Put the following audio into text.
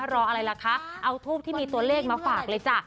รออะไรล่ะคะเอาทูปที่มีตัวเลขมาฝากเลยจ้ะ